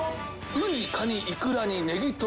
ウニカニイクラにねぎとろ。